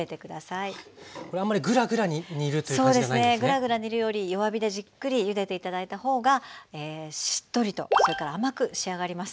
ぐらぐら煮るより弱火でじっくりゆでて頂いた方がしっとりとそれから甘く仕上がります。